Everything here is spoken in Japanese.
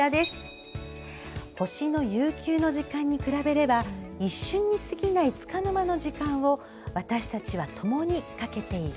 「星の悠久の時間に比べれば、一瞬に過ぎない束の間の時間を、私たちは共に駆けている」。